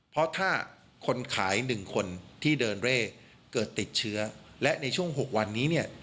เพราะถ้าคนขาย๑คนที่เดินเร่เกิดติดเชื้อและในช่วง๖วันนี้เนี่ย